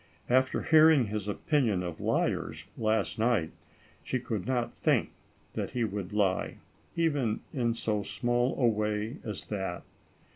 After hearing his opinion of liars, last night, she could not think that he would lie, even in so small a way as that.